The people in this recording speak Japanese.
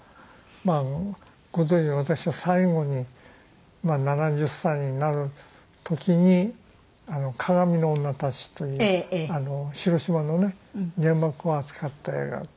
まあご存じのように私は最後に７０歳になる時に『鏡の女たち』という広島のね原爆を扱った映画を作って。